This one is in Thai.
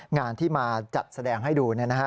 งานที่มาจัดแสดงให้ดู